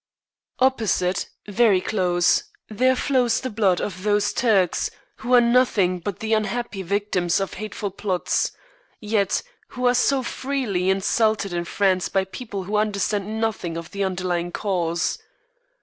Opposite, very close, there flows the blood of those Turks, who are nothing but the unhappy victims of hateful plots, yet who are so freely insulted in France by people who understand nothing of the underlying cause.